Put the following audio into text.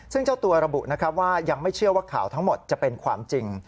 ซึ่งเจ้าตัวระบุนะครับว่ายังไม่เชื่อว่าข่าวทั้งหมดจะเป็นความจริง